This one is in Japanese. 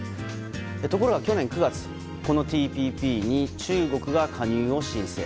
ところが去年９月このＴＰＰに中国が加入を申請。